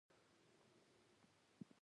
په نړۍ کې پښتانه زنده باد.